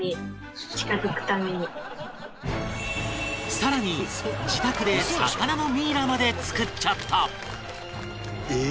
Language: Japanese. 更に、自宅で魚のミイラまで作っちゃった伊達：ええー！